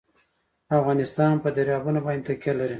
افغانستان په دریابونه باندې تکیه لري.